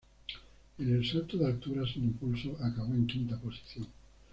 En el salto de altura sin impulso acabó en quinta posición.